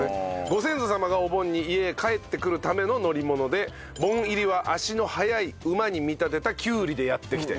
ご先祖様がお盆に家へ帰ってくるための乗り物で盆入りは足の速い馬に見立てたきゅうりでやって来て。